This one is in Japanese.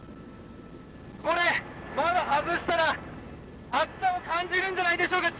これ窓外したら熱さを感じるんじゃないでしょうか？